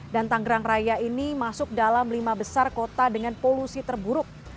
dan tangerang raya ini masuk dalam lima besar kota dengan polusi terburuk